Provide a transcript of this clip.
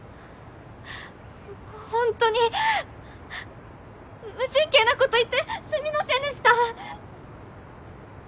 ホントに無神経なこと言ってすみませんでした！